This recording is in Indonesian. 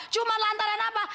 cuma lantaran apa